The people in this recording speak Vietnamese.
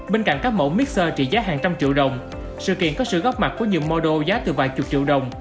bên cạnh các mẫu mixer trị giá hàng trăm triệu đồng sự kiện có sự góp mặt có nhiều model giá từ vài chục triệu đồng